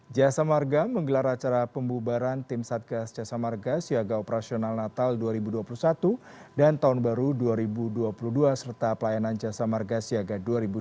jasa marga menggelar acara pembubaran tim satgas jasa marga siaga operasional natal dua ribu dua puluh satu dan tahun baru dua ribu dua puluh dua serta pelayanan jasa marga siaga dua ribu dua puluh